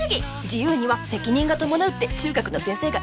自由には責任が伴うって中学の先生が言ってたぞ。